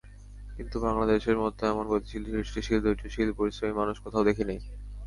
কিন্তু বাংলাদেশের মতো এমন গতিশীল, সৃষ্টিশীল, ধৈর্যশীল, পরিশ্রমী মানুষ কোথাও দেখিনি।